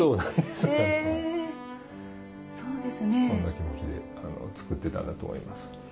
そんな気持ちで作ってたんだと思います。